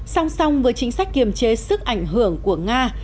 song song với chính sách kiềm chế sức ảnh hưởng của nga